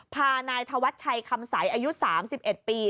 พานายธวัชชัยคำใสอายุ๓๑ปี